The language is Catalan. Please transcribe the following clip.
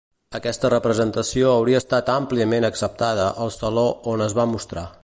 Aquesta representació hauria estat àmpliament acceptada al saló on es va mostrar.